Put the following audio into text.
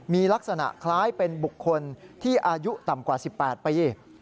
มีลักษณะคล้ายเป็นบุคคลที่อายุต่ำกว่า๑๘ปี